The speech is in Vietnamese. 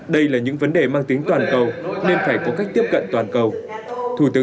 đây là những vấn đề mang tính toàn cầu nên phải có cách tiếp cận toàn cầu